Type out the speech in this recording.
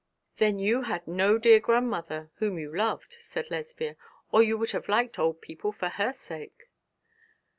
'Then you had no dear grandmother whom you loved,' said Lesbia, 'or you would have liked old people for her sake.'